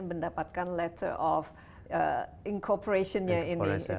mendapatkan letter of incorporationnya ini